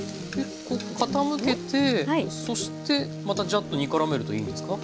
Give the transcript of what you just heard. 傾けてそしてまたジャッと煮からめるといいんですか？